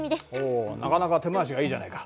おなかなか手回しがいいじゃないか。